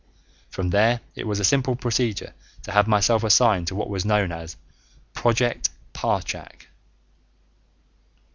From there it was a simple procedure to have myself assigned to what was known as "Project Parchak."